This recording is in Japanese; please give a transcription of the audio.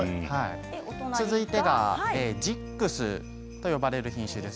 続いてがジックスと呼ばれる品種です。